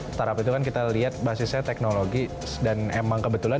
startup itu kan kita lihat basisnya teknologi dan emang kebetulan